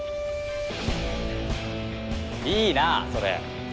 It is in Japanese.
いいなあそれ。